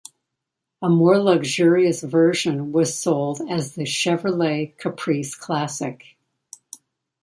A more luxurious version was sold as the Chevrolet Caprice Classic.